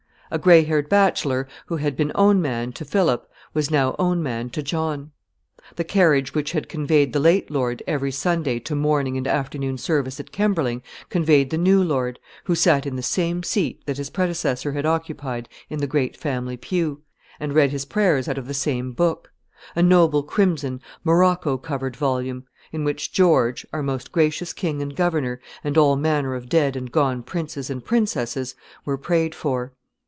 A grey haired bachelor, who had been own man to Philip, was now own man to John. The carriage which had conveyed the late lord every Sunday to morning and afternoon service at Kemberling conveyed the new lord, who sat in the same seat that his predecessor had occupied in the great family pew, and read his prayers out of the same book, a noble crimson, morocco covered volume, in which George, our most gracious King and Governor, and all manner of dead and gone princes and princesses were prayed for.